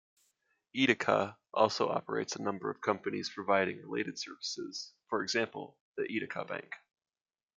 Edeka also operates a number of companies providing related services, for example the "Edekabank".